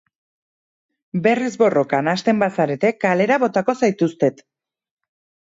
Berriz borrokan hasten bazarete kalera botako zaituztet.